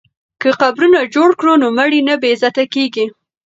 که قبرونه جوړ کړو نو مړي نه بې عزته کیږي.